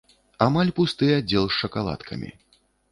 Амаль пусты аддзел з шакаладкамі.